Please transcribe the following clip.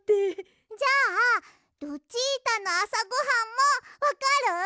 じゃあルチータのあさごはんもわかる？